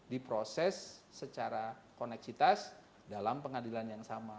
diproses secara koneksitas dalam pengadilan yang sama